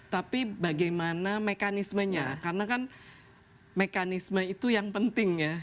tapi bagaimana mekanismenya karena kan mekanisme itu yang penting ya